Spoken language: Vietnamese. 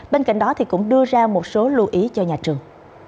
bên cạnh đó thì cũng đưa ra một số lưu ý cho nhà trường